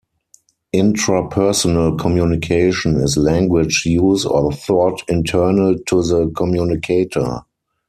Intrapersonal communication is language use or thought internal to the communicator.